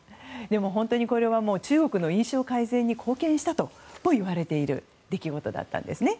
本当にこれは中国の印象改善に貢献したともいわれている出来事だったんです。